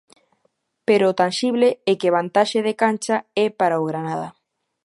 Pero o tanxible é que vantaxe de cancha é para o Granada.